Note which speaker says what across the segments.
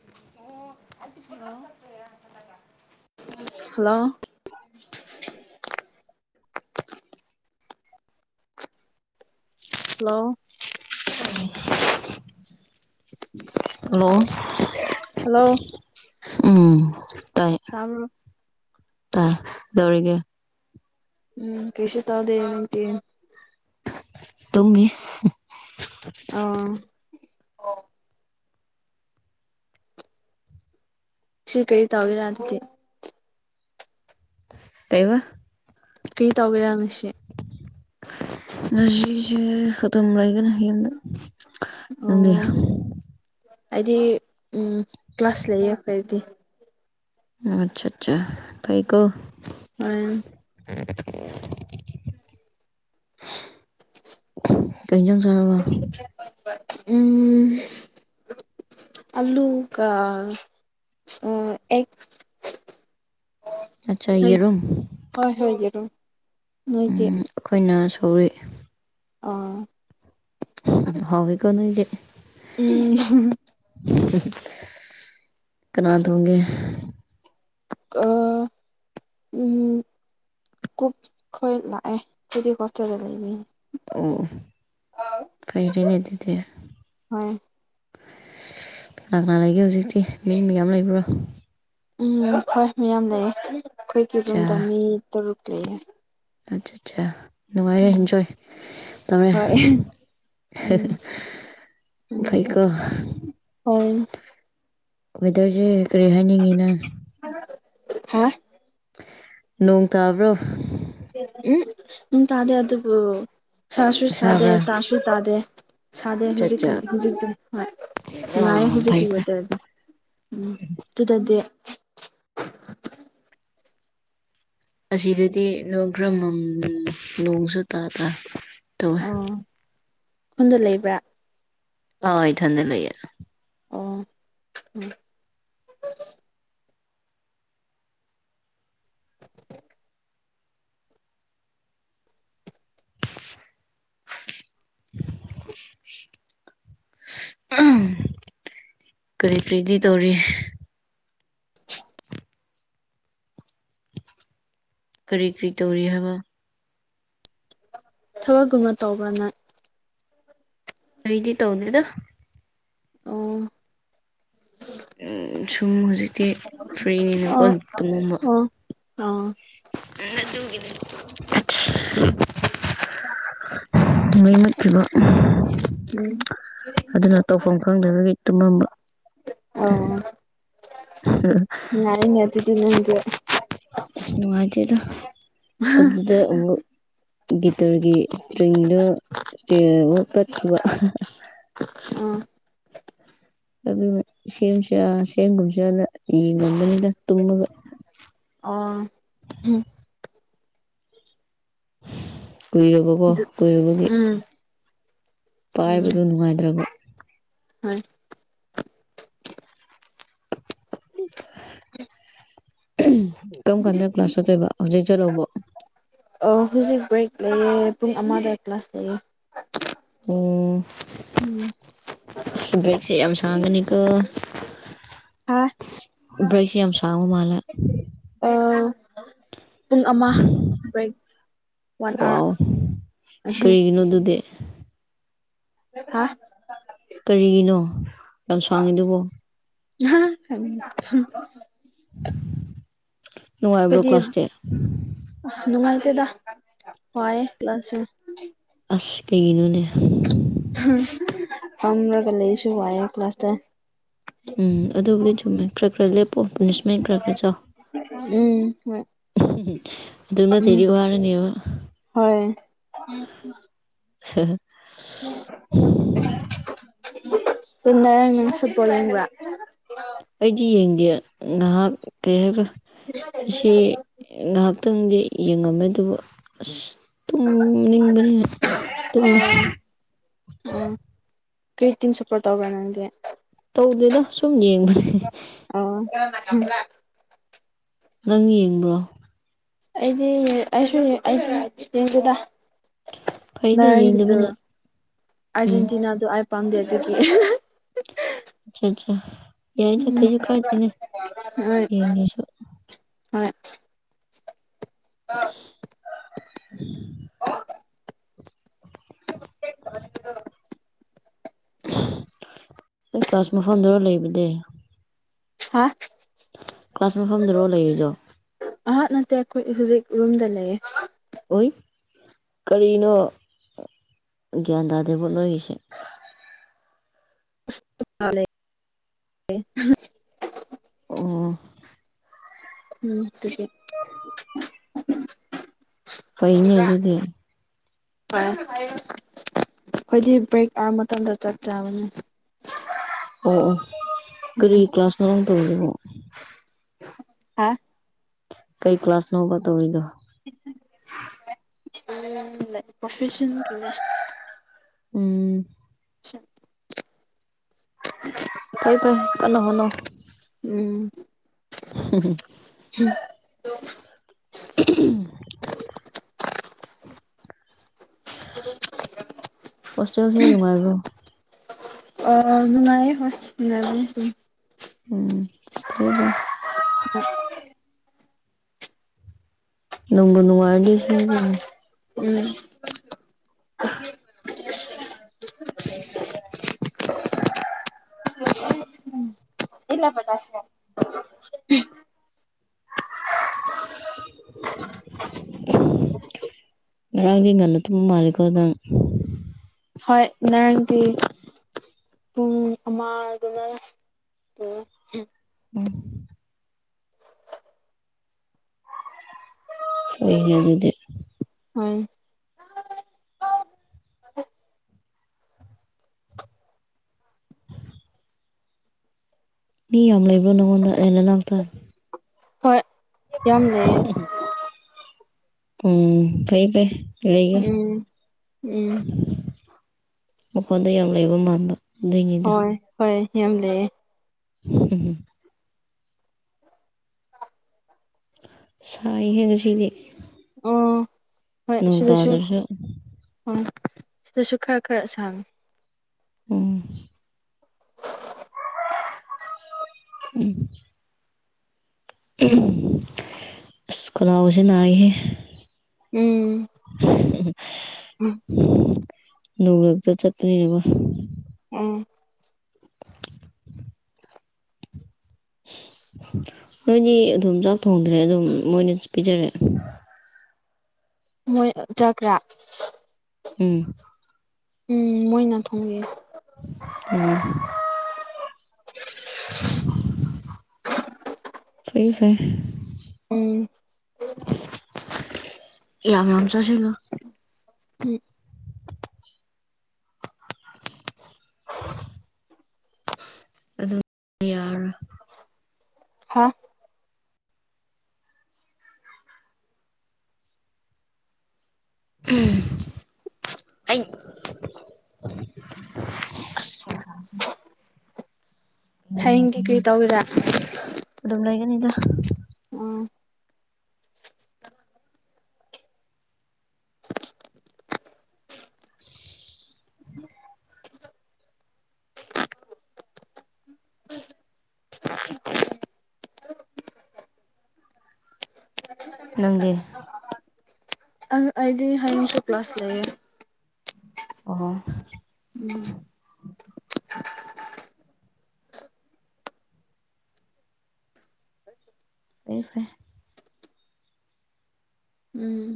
Speaker 1: [unintelligible] Hello hello
Speaker 2: [unintelligible] hello
Speaker 1: hello
Speaker 2: ꯎꯝ ꯇꯥꯏ
Speaker 1: ꯇꯥꯕ꯭ꯔꯣ
Speaker 2: ꯇꯥꯏ ꯗꯧꯔꯤꯒꯦ
Speaker 1: ꯎꯝ ꯀꯩꯁꯨ ꯇꯧꯗꯦ ꯅꯪꯗꯤ
Speaker 2: ꯇꯨꯝꯃꯤ
Speaker 1: ꯑꯥ ꯁꯤ ꯀꯔꯤ ꯇꯧꯒꯦꯔꯥ ꯑꯗꯨꯗꯤ
Speaker 2: ꯀꯩꯕ
Speaker 1: ꯀꯔꯤ ꯇꯧꯒꯦꯔꯥ ꯉꯁꯤ
Speaker 2: ꯉꯁꯤꯁꯦ ꯑꯗꯨꯝ ꯂꯩꯒꯅꯤ ꯌꯨꯝꯗ ꯅꯪꯗꯤ
Speaker 1: ꯑꯣ ꯑꯩꯗꯤ ꯎꯝ ꯀ꯭ꯂꯥꯁ ꯂꯩꯌꯦ ꯑꯩꯈꯣꯏꯗꯤ
Speaker 2: ꯎꯝ ꯑꯠꯆꯥ ꯆꯥ ꯐꯩꯀꯣ
Speaker 1: [unintelligible]
Speaker 2: [unintelligible] ꯀꯩ ꯏꯟꯖꯥꯡ ꯆꯥꯔꯕ
Speaker 1: ꯎꯝ ꯑꯂꯨꯀꯥ ꯑ ꯑꯦꯛ
Speaker 2: ꯑꯆꯥ ꯌꯦꯔꯨꯝ
Speaker 1: ꯍꯣꯏ ꯍꯣꯏ ꯌꯦꯔꯨꯝ ꯅꯣꯏꯗꯤ
Speaker 2: ꯎꯝ ꯑꯩꯈꯣꯏꯅ ꯁꯧꯔꯤ
Speaker 1: ꯑꯥ
Speaker 2: ꯍꯥꯎꯏꯀꯣ ꯅꯣꯏꯗꯤ
Speaker 1: ꯎꯝ [unintelligible]
Speaker 2: ꯀꯅꯥ ꯊꯣꯡꯒꯦ
Speaker 1: ꯑꯥ ꯎꯝ ꯀꯨꯛ ꯈꯣꯏ ꯂꯥꯛꯑꯦ ꯑꯩꯈꯣꯏꯗꯤ ꯍꯣꯁꯇꯦꯜꯗ ꯂꯩꯕꯅꯤ
Speaker 2: ꯑꯣ ꯀꯩꯔꯦꯅꯦ ꯑꯗꯨꯗꯤ
Speaker 1: ꯍꯣꯏ
Speaker 2: ꯀꯅꯥ ꯀꯅꯥꯥ ꯂꯩꯒꯦ ꯍꯧꯖꯤꯛꯇꯤ ꯃꯤ ꯃꯌꯥꯝ ꯂꯩꯕ꯭ꯔꯣ
Speaker 1: ꯎꯝ ꯍꯣꯏ ꯃꯌꯥꯝ ꯂꯩꯌꯦ ꯑꯩꯈꯣꯏꯒꯤ
Speaker 2: ꯑꯠꯆꯥ
Speaker 1: ꯔꯨꯝꯗ ꯃꯤ ꯇꯔꯨꯛ ꯂꯩꯌꯦ
Speaker 2: ꯑꯆꯥ ꯆꯥ ꯅꯨꯡꯉꯥꯏꯔꯦ
Speaker 1: ꯎꯝ
Speaker 2: ꯏꯟꯖꯣꯏ ꯇꯧꯔꯦ
Speaker 1: ꯍꯣꯏ
Speaker 2: [unintelligible]
Speaker 1: ꯎꯝ
Speaker 2: ꯐꯩꯀꯣ
Speaker 1: ꯍꯣꯏ
Speaker 2: ꯋꯦꯗꯔꯖꯦ ꯀꯔꯤ ꯍꯥꯏꯅꯤꯡꯉꯤ ꯅꯪ
Speaker 1: ꯍꯥꯥ
Speaker 2: ꯅꯣꯡ ꯇꯥꯕ꯭ꯔꯣ
Speaker 1: ꯎꯝ ꯅꯣꯡ ꯇꯥꯗꯦ ꯑꯗꯨꯕꯨ ꯁꯥꯁꯨ ꯁꯥꯗꯦ
Speaker 2: ꯁꯥꯕ꯭ꯔꯥ
Speaker 1: ꯇꯥꯁꯨ ꯇꯥꯗꯦ ꯁꯥꯗꯦ
Speaker 2: ꯆꯠ ꯆꯥ
Speaker 1: ꯍꯧꯖꯤꯛꯀꯟ ꯍꯧꯖꯤꯛꯇꯤ ꯍꯣꯏ
Speaker 2: ꯑ
Speaker 1: ꯅꯨꯡꯉꯥꯏꯌꯦ ꯍꯧꯖꯤꯛꯀꯤ
Speaker 2: ꯐꯩ ꯐꯩ
Speaker 1: ꯋꯦꯗꯔꯗꯣ ꯎꯝ ꯇꯨꯗꯗꯤ
Speaker 2: ꯑꯁꯤꯗꯗꯤ ꯅꯣꯏ ꯈꯔ ꯃꯝ ꯅꯣꯡꯁꯨ ꯇꯥ ꯇꯥ ꯇꯧꯋꯦ
Speaker 1: ꯑꯣ ꯈꯨꯣꯟꯗ ꯂꯩꯕ꯭ꯔꯥ
Speaker 2: ꯑ ꯏꯊꯟꯗ ꯂꯩꯌꯦ
Speaker 1: ꯑꯣ ꯎꯝ [unintelligible]
Speaker 2: [unintelligible] ꯀꯔꯤ ꯀꯔꯤꯗꯤ ꯇꯧꯔꯤ ꯀꯔꯤ ꯀꯔꯤ ꯇꯧꯔꯤ ꯍꯥꯏꯕ
Speaker 1: ꯊꯕꯛ ꯒꯨꯝꯅꯥ ꯇꯧꯕ꯭ꯔꯥ ꯅꯪ
Speaker 2: ꯑꯩꯩꯗꯤ ꯇꯧꯗꯦ ꯗꯥ ꯫
Speaker 1: ꯑꯣ
Speaker 2: ꯎꯝ ꯁꯨꯝ ꯍꯧꯖꯤꯛꯇꯤ ꯐ꯭ꯔꯤꯅꯤ ꯅꯥꯀꯣ
Speaker 1: ꯑꯣ
Speaker 2: ꯇꯨꯝꯃꯝꯕ
Speaker 1: ꯑꯣ ꯑꯣ
Speaker 2: ꯎꯟ ꯑꯗꯨꯒꯤ ꯅꯦ꯫
Speaker 1: ꯎꯝ
Speaker 2: ꯃꯩ ꯃꯨꯠꯀ꯭ꯔꯤꯕ꯭ꯔꯣ ꯎꯝ
Speaker 1: ꯎꯝ
Speaker 2: ꯑꯗꯨꯅꯥ ꯇꯧꯐꯝ ꯈꯪꯗꯕꯒꯤ ꯇꯨꯝꯃꯝꯕ ꯫
Speaker 1: ꯑꯣ ꯅꯨꯡꯉꯥꯏꯅꯦ ꯑꯗꯨꯗꯤ ꯅꯪꯗꯤ
Speaker 2: ꯅꯨꯡꯉꯥꯏꯇꯦ ꯗꯥ꯫
Speaker 1: ꯍꯥ
Speaker 2: ꯑꯗꯨꯗ ꯑꯃꯨꯛ ꯒꯤꯇꯔꯒꯤ ꯁꯇ꯭ꯔꯤꯡ ꯗꯣ ꯁꯇ꯭ꯔꯤꯡ ꯑꯃꯨꯛ ꯊꯈꯤꯕ ꯑꯍꯥ ꯍꯥ
Speaker 1: ꯎꯝ
Speaker 2: ꯑꯗꯨꯒꯥ ꯁꯦꯝꯁꯤꯔꯥ ꯁꯦꯝꯒꯨꯝ ꯁꯤꯔꯥꯅꯥ ꯌꯦꯡ ꯉꯕꯅꯤꯗꯥ ꯇꯨꯝꯃꯥꯒꯥ꯫
Speaker 1: ꯑꯣ
Speaker 2: ꯀꯨꯏꯔꯕꯀꯣ
Speaker 1: ꯑꯗꯨ
Speaker 2: ꯀꯨꯏꯔꯕꯒꯤ
Speaker 1: ꯎꯝ ꯎꯝ
Speaker 2: ꯄꯥꯏꯕꯗꯨ ꯅꯨꯡꯉꯥꯏꯗ꯭ꯔꯕ ꯫
Speaker 1: ꯍꯣꯏ
Speaker 2: [unintelligible]
Speaker 1: [unintelligible]
Speaker 2: ꯀꯔꯝ ꯀꯥꯟꯗ ꯀ꯭ꯂꯥꯁ ꯆꯠꯇꯣꯏꯕ ꯍꯧꯖꯤꯛ ꯆꯠꯂꯥꯕꯣ
Speaker 1: ꯑꯣ ꯍꯧꯖꯤꯛ ꯕ꯭ꯔꯦꯛ ꯂꯩꯌꯦ ꯄꯨꯡ ꯑꯃꯥꯥ ꯗꯥ ꯀ꯭ꯂꯥꯁ ꯂꯩꯌꯦ꯫
Speaker 2: ꯎꯡ
Speaker 1: ꯎꯝ
Speaker 2: ꯑꯁꯤ ꯕ꯭ꯔꯦꯛꯁꯦ ꯌꯥꯝ ꯁꯥꯥꯡꯒꯅꯤꯀꯣ
Speaker 1: ꯍꯥ
Speaker 2: ꯕ꯭ꯔꯦꯛ ꯁꯦ ꯌꯥꯝ ꯁꯥꯡꯕ ꯃꯥꯜꯂꯦ
Speaker 1: ꯑꯣ ꯄꯨꯡ ꯑꯃꯥ ꯕ꯭ꯔꯦꯛ ꯋꯥꯟ ꯑꯥꯋꯥꯔ ꯑꯦ ꯍꯦ
Speaker 2: ꯀꯩꯒꯤꯅꯣ ꯑꯗꯨꯗꯤ
Speaker 1: ꯍꯥ
Speaker 2: ꯀꯔꯤꯒꯤꯅꯣ ꯌꯥꯝ ꯁꯥꯡꯉꯤ ꯗꯨꯕꯣ
Speaker 1: [unintelligible]
Speaker 2: ꯅꯨꯡꯉꯥꯏꯕ꯭ꯔꯣ
Speaker 1: ꯑꯩꯏꯣꯏꯗꯤ ꯎꯟ
Speaker 2: ꯀ꯭ꯂꯥꯁꯇꯤ
Speaker 1: ꯅꯨꯡꯉꯥꯏꯇꯦꯗ ꯋꯥꯌꯦ ꯀ꯭ꯂꯥꯁ ꯁꯦ꯫
Speaker 2: ꯑꯁ꯭ ꯀꯩꯒꯤ ꯅꯣ ꯅꯦ
Speaker 1: ꯍꯨꯝ ꯐꯝꯔꯥꯒ ꯂꯩꯔꯥꯁꯨ ꯌꯥꯏꯌꯦ ꯀ꯭ꯂꯥꯁꯇꯥ
Speaker 2: ꯎꯝ ꯑꯗꯨꯕꯨꯗꯤ ꯆꯨꯝꯃꯦ ꯈꯔꯥ ꯈꯔꯥ ꯂꯦꯞꯄꯣ ꯄꯅꯤꯁꯃꯦꯟ ꯈꯔꯥ ꯈꯔꯥ ꯆꯥꯎ
Speaker 1: ꯎꯝ ꯍꯣꯏ
Speaker 2: ꯑꯗꯨ
Speaker 1: ꯎꯝ
Speaker 2: ꯅꯠꯇ꯭ꯔꯗꯤ ꯋꯥꯔꯥ ꯅꯤꯕ꯫
Speaker 1: ꯍꯣꯏ
Speaker 2: [unintelligible]
Speaker 1: ꯇꯨ ꯉꯔꯥꯡ ꯐꯨꯠꯕꯣꯜ ꯌꯦꯡꯕ꯭ꯔ
Speaker 2: ꯑꯩꯗꯤ ꯌꯦꯡꯗꯦ ꯉꯥꯏꯍꯥꯛ ꯀꯩ ꯍꯥꯏꯕ ꯑꯁꯤ ꯉꯥꯏꯍꯥꯛꯇꯪꯗꯤ ꯌꯦꯡꯉꯝꯃꯦ ꯑꯗꯨꯕꯨ ꯑꯁ ꯇꯨꯝ ꯅꯤꯡꯕꯥ ꯅꯤꯅꯦ ꯇꯨꯝꯃꯣ
Speaker 1: ꯎ ꯀꯔꯤ ꯇꯤꯝ ꯁꯄꯣꯔꯠ ꯇꯧꯕ꯭ꯔ ꯅꯪꯗꯤ
Speaker 2: ꯇꯧꯗꯦꯗꯥ ꯁꯨꯝ ꯌꯦꯡꯕꯅꯦ
Speaker 1: ꯑꯣ
Speaker 2: ꯅꯪ ꯌꯦꯡꯕ꯭ꯔꯣ
Speaker 1: ꯑꯩꯗꯤ ꯑꯩꯁꯨ ꯑꯩꯗꯤ ꯌꯦꯡꯗꯦꯗꯥ꯫
Speaker 2: ꯐꯩꯗ
Speaker 1: ꯉꯔꯥꯡꯒꯤꯗꯨ
Speaker 2: ꯌꯦꯡꯗꯕꯅ ꯎꯝ
Speaker 1: ꯑꯥꯔꯖꯦꯟꯇꯤꯅꯥ ꯗꯣ ꯑꯩ ꯄꯥꯝꯗꯦ ꯑꯗꯨꯗꯒꯤ꯫
Speaker 2: ꯑꯣꯀꯦ ꯑꯣꯀꯦ ꯌꯥꯏꯗꯥ
Speaker 1: ꯎꯝ
Speaker 2: ꯀꯩꯁꯨ ꯀꯥꯏꯗꯦ ꯅꯦ
Speaker 1: ꯍꯣꯏ
Speaker 2: ꯌꯦꯟꯑꯦ ꯑꯩꯁꯨ꯫
Speaker 1: ꯍꯣꯏ
Speaker 2: [inaudible]
Speaker 1: [unintelligible]
Speaker 2: ꯑꯩ ꯀ꯭ꯂꯥꯁ ꯃꯐꯝꯗꯨꯔ ꯂꯩꯕꯅꯤ
Speaker 1: ꯍꯥ
Speaker 2: ꯀ꯭ꯂꯥꯁ ꯃꯐꯝꯗꯨꯔꯣ ꯂꯩꯔꯤꯗꯣ
Speaker 1: ꯑꯍꯥ ꯅꯠꯇꯦ ꯑꯩꯈꯣꯏ ꯍꯧꯖꯤꯛ ꯔꯨꯝꯗ ꯂꯩꯌꯦ
Speaker 2: ꯑꯣꯏ ꯀꯔꯤꯅꯣ ꯒ꯭ꯌꯥꯟ ꯇꯥꯗꯦꯕꯣ ꯅꯣꯏꯒꯤꯁꯦ
Speaker 1: [unintelligible] [unintelligible]
Speaker 2: ꯑꯣ
Speaker 1: ꯎꯝ
Speaker 2: ꯐꯩꯅꯦ ꯑꯗꯨꯗꯤ
Speaker 1: ꯍ ꯑꯩꯈꯣꯏꯗꯤ ꯕ꯭ꯔꯦꯛ ꯑꯥꯔ ꯃꯇꯝꯗ ꯆꯥꯛ ꯆꯕꯅꯦ
Speaker 2: ꯑꯣ ꯑꯣ ꯀꯔꯤ
Speaker 1: ꯎꯝ
Speaker 2: ꯀ꯭ꯂꯥꯁꯅꯣ ꯅꯪ ꯇꯧꯔꯤꯕꯣ
Speaker 1: ꯍꯥꯥ
Speaker 2: ꯀꯩ ꯀ꯭ꯂꯥꯁꯅꯣꯕ ꯇꯧꯔꯤꯅꯣ
Speaker 1: ꯄ꯭ꯔꯣꯐꯦꯁꯟ ꯀꯅꯦ
Speaker 2: ꯎꯝ
Speaker 1: [inaudible]
Speaker 2: ꯐꯩ ꯐꯩ ꯀꯅ ꯍꯣꯠꯅꯧ
Speaker 1: ꯎꯝ
Speaker 2: [inaudible]
Speaker 1: ꯍꯝ [unintelligible]
Speaker 2: ꯍꯣꯁꯇꯦꯜꯁꯦ ꯅꯨꯡꯉꯥꯏꯕ꯭ꯔꯣ
Speaker 1: ꯑ ꯅꯨꯡꯉꯥꯏꯌꯦ ꯍꯣꯏ ꯅꯨꯡꯉꯥꯏꯕꯅꯦ
Speaker 2: ꯎꯝ
Speaker 1: ꯍ [unintelligible]
Speaker 2: ꯅꯨꯡꯕꯨ ꯅꯨꯡꯉꯥꯏꯗꯤ ꯁꯤꯗꯅ
Speaker 1: ꯎꯝ [inaudible] [unintelligible]
Speaker 2: ꯉꯔꯥꯡꯗꯤ ꯉꯟꯅ ꯇꯨꯝꯕ ꯃꯥꯜꯂꯦꯀꯣ ꯅꯪ
Speaker 1: ꯍꯣꯏ ꯅꯔꯥꯡꯗꯤ ꯄꯨꯡ ꯑꯃꯗꯨꯅ
Speaker 2: ꯎꯝ ꯍꯣꯏꯅꯦ ꯑꯗꯨꯗꯤ
Speaker 1: ꯍ [unintelligible]
Speaker 2: ꯃꯤ ꯌꯥꯝ ꯂꯩꯕ꯭ꯔꯣ ꯅꯪꯉꯣꯟꯗ ꯑꯦ ꯅꯅꯥꯥꯛꯇ
Speaker 1: ꯍꯣꯏ ꯌꯥꯝ ꯂꯩꯌꯦ
Speaker 2: ꯎꯝ ꯐꯩ ꯐꯩ ꯀꯔꯤꯒꯤ
Speaker 1: ꯎꯝ ꯎꯝ
Speaker 2: ꯃꯈꯣꯟꯗ ꯌꯥꯝ ꯂꯩꯕ ꯃꯥꯟꯕ ꯑꯗꯨꯏꯅꯤꯗ
Speaker 1: ꯍꯣꯏ ꯍꯣꯏ ꯌꯥꯝ ꯂꯩꯌꯦ
Speaker 2: ꯎꯝ [unintelligible] ꯁꯥꯏ ꯍꯦ ꯉꯁꯤꯗꯤ
Speaker 1: ꯑꯣ ꯍꯣꯏ
Speaker 2: ꯅꯣꯡ
Speaker 1: ꯁꯤꯗꯁꯨ
Speaker 2: ꯇꯥꯗ꯭ꯔꯁꯨ
Speaker 1: ꯎꯝ ꯁꯤꯗꯁꯨ ꯈꯔ ꯈꯔ ꯁꯥꯡꯉꯤ
Speaker 2: ꯎꯝ ꯎꯝ [inaudible] ꯈꯥꯅꯥꯎꯁꯦ ꯅꯥꯏꯌꯦ
Speaker 1: ꯎꯝ ꯎꯝ
Speaker 2: ꯅꯣꯡꯔꯛꯇ ꯆꯠꯄꯅꯤꯅꯕ
Speaker 1: ꯎꯝ
Speaker 2: ꯅꯣꯏꯗꯤ ꯑꯗꯨꯝ ꯆꯥꯛ ꯊꯣꯡꯗ꯭ꯔꯦ ꯑꯗꯨꯝ ꯃꯣꯏꯅ ꯄꯤꯖꯔꯦ
Speaker 1: ꯃꯣꯏ ꯆꯒ꯭ꯔꯥ [inaudible]
Speaker 2: ꯎꯝ
Speaker 1: ꯎꯝ ꯃꯣꯏꯅ ꯊꯣꯡꯒꯦ
Speaker 2: ꯎꯝ ꯐꯩ ꯐꯩ
Speaker 1: ꯎꯝ
Speaker 2: ꯌꯥꯝ ꯌꯥꯝ ꯆꯥꯁꯤꯜꯂꯨ
Speaker 1: ꯎꯝ
Speaker 2: ꯇꯌꯥꯔ [inaudible]
Speaker 1: ꯍꯥ
Speaker 2: ꯎꯝ
Speaker 1: ꯍꯌꯦꯡꯗꯤ ꯀꯔꯤ ꯇꯧꯒꯦꯔꯥ
Speaker 2: ꯑꯗꯨꯝ ꯂꯩꯒꯅꯤꯗ
Speaker 1: ꯎꯝ
Speaker 2: [unintelligible] ꯅꯪꯗꯤ
Speaker 1: ꯑ ꯑꯩꯗꯤ ꯍꯥꯌꯦꯡꯁꯨ ꯀ꯭ꯂꯥꯁ ꯂꯩꯌꯦ
Speaker 2: ꯑꯣꯍꯣ
Speaker 1: ꯎꯝ
Speaker 2: ꯐꯩ ꯐꯩ
Speaker 1: ꯎꯝ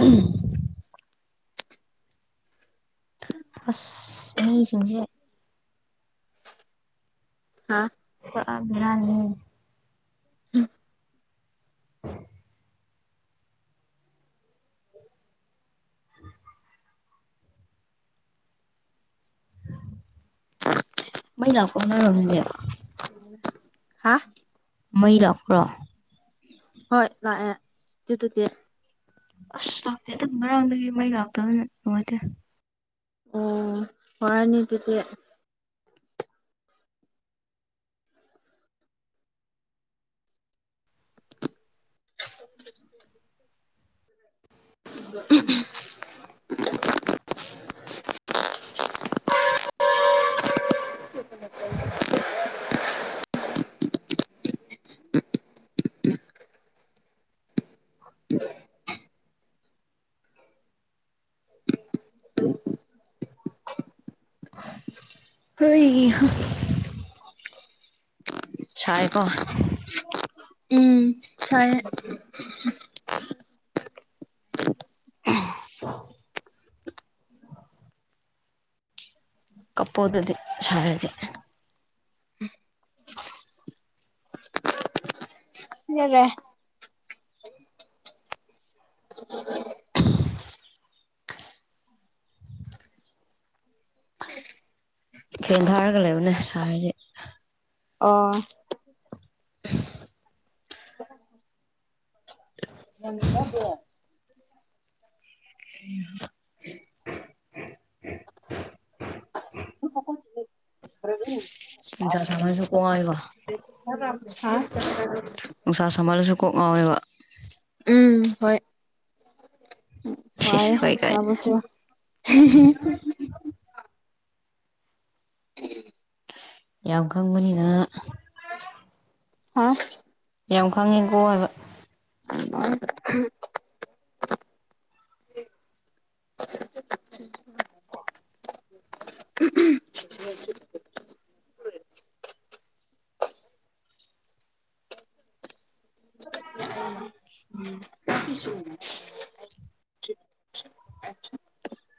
Speaker 2: ꯎ [inaudible] ꯑꯁ ꯃꯤꯁꯤꯡꯁꯦ
Speaker 1: ꯍꯥ
Speaker 2: ꯄꯨꯔꯥ ꯕꯦꯔꯅꯤꯍꯦ ꯃꯩ ꯂꯥꯛꯕꯔꯣ ꯅꯣꯢꯔꯣꯝꯗꯗꯤ
Speaker 1: ꯎꯝ [inaudible] ꯍꯥ
Speaker 2: ꯃꯩ ꯂꯛꯕ꯭ꯔꯣ
Speaker 1: ꯍꯣꯏ ꯂꯥꯛꯑꯦ ꯑꯗꯨꯨꯗꯨꯒꯤ
Speaker 2: ꯑꯁ ꯂꯥꯛꯇꯦ ꯉꯔꯥꯡꯗꯒꯤ ꯃꯩ ꯂꯥꯛꯇꯕꯅꯤꯅ ꯅꯨꯡꯉꯥꯢꯇꯦ
Speaker 1: ꯑꯣ ꯋꯥꯔꯅꯤ ꯑꯗꯨꯗꯤ [inaudible] ꯗꯤ [inaudible] [inaudible]
Speaker 2: ꯍꯣꯏ [inaudible] ꯁꯥꯢꯑꯦꯒꯣ
Speaker 1: ꯎꯝ ꯁꯥꯢꯑꯦ
Speaker 2: ꯑ [inaudible] ꯀꯥꯞꯄꯣ ꯑꯗꯨꯗꯤ ꯁꯥꯔꯗꯤ
Speaker 1: ꯑꯗꯨꯔꯦ [inaudible] ꯎ [inaudible]
Speaker 2: ꯐꯦꯟ ꯊꯥꯔꯒ ꯂꯩꯌꯨꯅꯦ ꯁꯥꯔꯗꯤ
Speaker 1: ꯑꯣ ꯃꯅꯤꯁꯗ [inaudible]
Speaker 2: ꯍ [unintelligible]
Speaker 1: [unintelligible]
Speaker 2: ꯅꯨꯡꯁꯥ ꯁꯥꯃꯜꯂꯁꯨ
Speaker 1: [unintelligible]
Speaker 2: ꯀꯣꯛ ꯉꯥꯎꯋꯦꯕ
Speaker 1: [unintelligible]
Speaker 2: ꯅꯨꯡꯁꯥ ꯁꯝꯍꯜꯂꯁꯨ ꯀꯣꯛ ꯉꯥꯎꯋꯦꯕ
Speaker 1: ꯎꯝ ꯍꯣꯏ
Speaker 2: ꯁꯤꯁ
Speaker 1: ꯋꯥꯏꯌꯦ
Speaker 2: ꯈꯣꯏ ꯀꯥꯏ
Speaker 1: ꯆꯕꯁꯨ
Speaker 2: ꯌꯥꯝ ꯈꯪꯕꯅꯤꯅ
Speaker 1: ꯑꯥ
Speaker 2: ꯌꯥꯝꯅ ꯈꯪꯉꯤꯀꯣ ꯍꯥꯏꯕꯥ
Speaker 1: [unintelligible]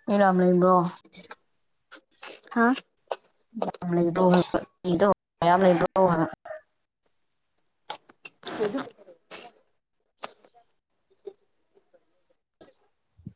Speaker 2: ꯃꯤ ꯌꯥꯝ ꯂꯩꯕ꯭ꯔꯣ
Speaker 1: ꯍꯥ
Speaker 2: ꯌꯥꯝ ꯂꯩꯕ꯭ꯔꯣꯗꯣ ꯍꯥꯏꯕ ꯃꯤꯗꫭ ꯃꯌꯥꯝ ꯂꯩꯕ꯭ꯔꯣ ꯍꯥꯏꯕꯥ